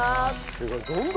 すごい。